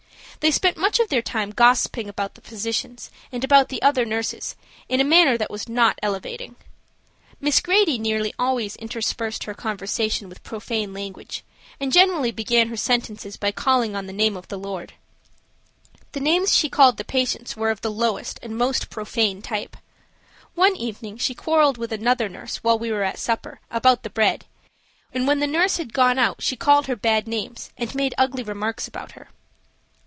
They spent much of their time gossiping about the physicians and about the other nurses in a manner that was not elevating. Miss Grady nearly always interspersed her conversation with profane language, and generally began her sentences by calling on the name of the Lord. The names she called the patients were of the lowest and most profane type. One evening she quarreled with another nurse while we were at supper about the bread, and when the nurse had gone out she called her bad names and made ugly remarks about her.